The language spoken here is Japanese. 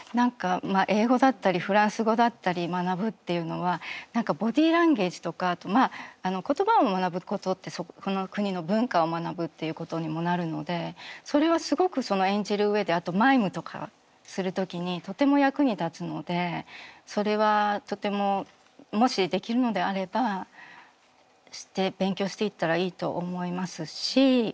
英語だったりフランス語だったり学ぶっていうのは何かボディーランゲージとかまあ言葉を学ぶことってその国の文化を学ぶっていうことにもなるのでそれはすごく演じる上であとマイムとかする時にとても役に立つのでそれはとてももしできるのであれば勉強していったらいいと思いますし。